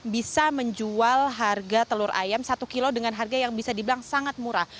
bisa menjual harga telur ayam satu kilo dengan harga yang bisa dibilang sangat murah